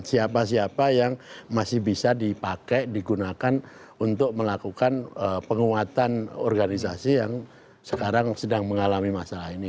siapa siapa yang masih bisa dipakai digunakan untuk melakukan penguatan organisasi yang sekarang sedang mengalami masalah ini